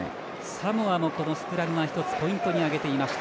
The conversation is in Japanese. サモアもスクラムはポイントに挙げていました。